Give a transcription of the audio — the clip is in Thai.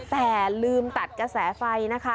แต่ลืมตัดกระแสไฟนะคะ